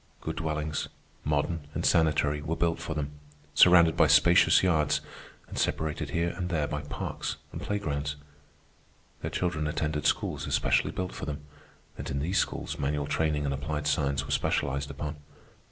Good dwellings, modern and sanitary, were built for them, surrounded by spacious yards, and separated here and there by parks and playgrounds. Their children attended schools especially built for them, and in these schools manual training and applied science were specialized upon.